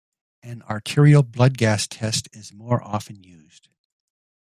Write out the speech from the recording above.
An arterial blood gas test is more often used.